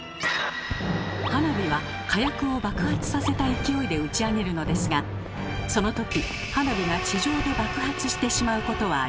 花火は火薬を爆発させた勢いで打ち上げるのですがその時花火が地上で爆発してしまうことはありません。